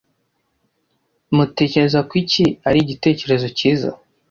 Mutekereza ko iki ari igitekerezo cyiza?